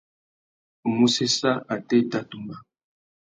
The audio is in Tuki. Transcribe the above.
U mù séssa atê i tà tumba.